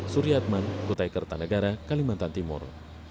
surya adman kutai kartanegara kalimantan timur